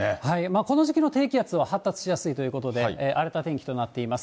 この時期の低気圧は発達しやすいということで、荒れた天気となっています。